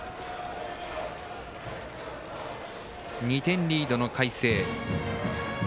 ２点リードの海星。